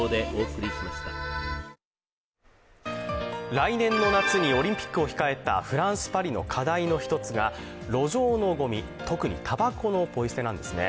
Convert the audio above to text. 来年の夏にオリンピックを控えたフランス・パリの課題の一つが路上のごみ、特にたばこのポイ捨てなんですね。